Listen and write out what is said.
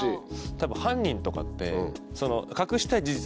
多分犯人とかって。